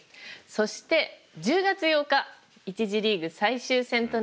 そして１０月８日１次リーグ最終戦となります。